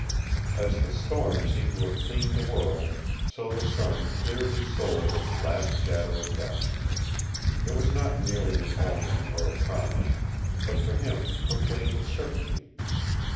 As the storm seemed to have cleaned the world so the sun cleared his soul of its last shadow of doubt. It was not merely an omen or a promise, but for him proclaimed a certainty.